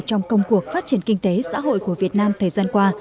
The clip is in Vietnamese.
trong công cuộc phát triển kinh tế xã hội của việt nam thời gian qua